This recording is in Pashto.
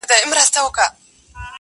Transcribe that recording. په کمال کي د خبرو یک تنها وو-